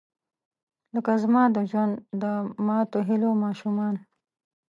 لکه زما د ژوند، د ماتوهیلو ماشومان